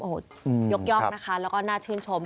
โอ้โหยกย่องนะคะแล้วก็น่าชื่นชม